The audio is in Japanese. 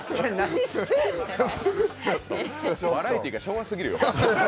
バラエティーが昭和すぎるよ。